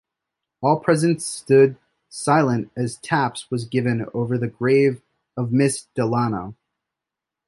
All present stood silent as "taps" was given over the grave of Miss Delano.